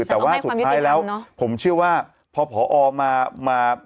แต่ว่าสุดท้ายแล้วแต่ต้องให้ความยุติธรรมเนอะผมเชื่อว่าพอพอมา